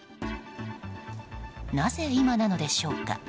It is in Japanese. なぜ、今なのでしょうか？